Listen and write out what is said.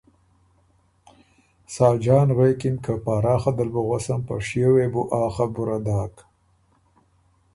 ساجان غوېکِن که ”پاراخه دل بُو غوسم، په شیو وې بو آ خبُره داک